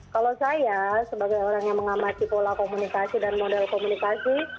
kalau saya sebagai orang yang mengamati pola komunikasi dan model komunikasi